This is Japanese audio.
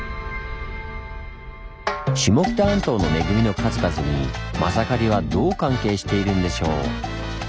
下北半島の恵みの数々にまさかりはどう関係しているんでしょう？